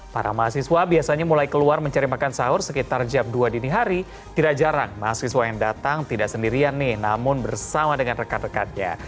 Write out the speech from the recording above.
para mahasiswa biasanya mulai keluar mencari makan sahur sekitar jam dua dini hari tidak jarang mahasiswa yang datang tidak sendirian nih namun bersama dengan rekan rekannya